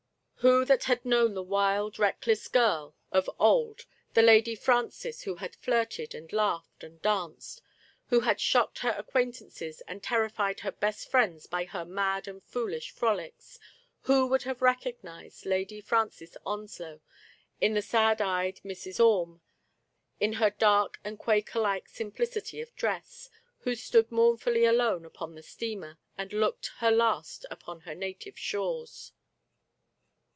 Who that had known the wild, reckless girl of Digitized by Google MRS. LOVETT CAMERON. 107 old, the Lady Francis who had flirted, and laughed, and danced ; who had shocked her acquaintances, and terrified her best friends, by her mad and foolish frolics — who would have recognized Lady Francis Onslow in the sad eyed " Mrs. Orme, in her dark and Quakerlike sim plicity of dress, who stood mournfully alone upon the steamer, and looked her last upon her native shores.